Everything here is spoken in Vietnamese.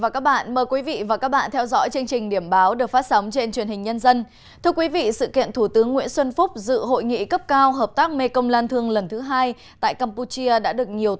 các bạn hãy đăng ký kênh để ủng hộ kênh của chúng mình nhé